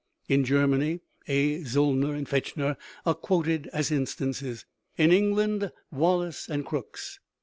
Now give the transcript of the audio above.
In Germany, A. Zollner and Fechner are quoted as instances ; in England, Wallace and Crookes.